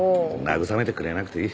慰めてくれなくていい。